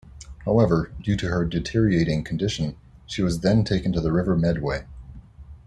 However, due to her deteriorating condition, she was then taken to the River Medway.